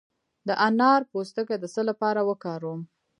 د انار پوستکی د څه لپاره وکاروم؟